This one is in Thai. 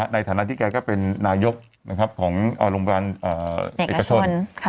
ในฐานะที่แกก็เป็นนายกของโรงพยาบาลเอกชน